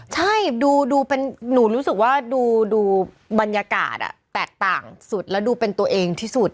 ใช่ดูเป็นหนูรู้สึกว่าดูบรรยากาศแตกต่างสุดแล้วดูเป็นตัวเองที่สุด